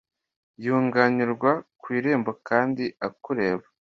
Yunganirwa ku irembo kandi akureba